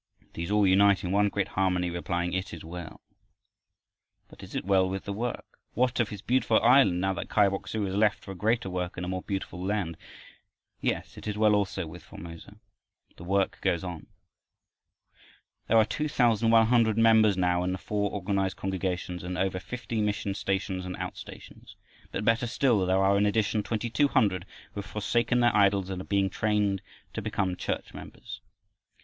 These all unite in one great harmony, replying, "It is well!" But is it well with the work? What of his Beautiful Island, now that Kai Bok su has left for a greater work in a more beautiful land? Yes, it is well also with Formosa. The work goes on. There are two thousand, one hundred members now in the four organized congregations, and over fifty mission stations and outstations. But better still there are in addition twenty two hundred who have forsaken their idols and are being trained to become church members.